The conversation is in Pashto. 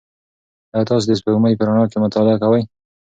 ایا تاسي د سپوږمۍ په رڼا کې مطالعه کوئ؟